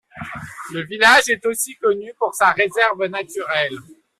Le village est aussi connu pour sa réserve naturelle.